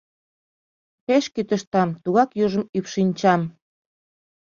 Пеш кӱтыштам, тугак южым ӱпшынчам...